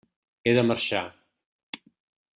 He de marxar.